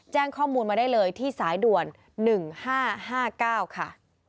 แจ้งข้อมูลมาได้เลยที่สายด่วนหนึ่งห้าห้าเก้าค่ะ